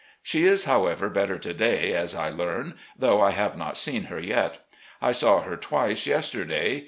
She is, however, better to day, as I learn, though I have not seen her yet. I saw her twice yesterday.